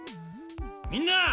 みんな！